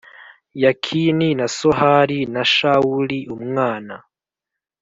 Yakini na Sohari na Shawuli umwana